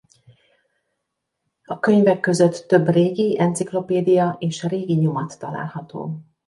A könyvek között több régi enciklopédia és régi nyomat található.